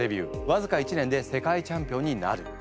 わずか１年で世界チャンピオンになる。